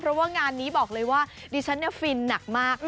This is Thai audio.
เพราะว่างานนี้บอกเลยว่าดิฉันฟินหนักมาก